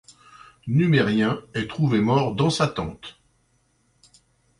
Numérien est trouvé mort dans sa tente.